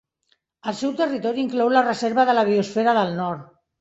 El seu territori inclou la Reserva de la Biosfera del Nord.